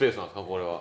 これは。